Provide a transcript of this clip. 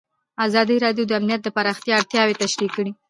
ازادي راډیو د امنیت د پراختیا اړتیاوې تشریح کړي.